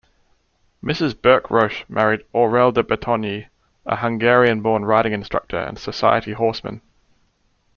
Mrs. Burke Roche married Aurel de Batonyi, a Hungarian-born riding instructor and society horseman.